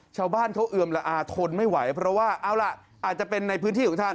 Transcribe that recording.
ชาวบ้านเขาเอือมละอาทนไม่ไหวเพราะว่าเอาล่ะอาจจะเป็นในพื้นที่ของท่าน